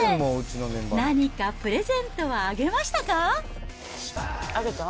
何かプレゼントはあげましたか？